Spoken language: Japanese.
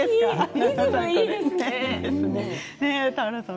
リズムがいいですね。